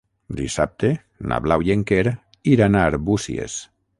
Dissabte na Blau i en Quer iran a Arbúcies.